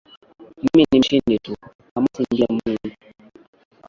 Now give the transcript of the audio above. Mimi ni mshindi tu, kamusi ndiye Mungu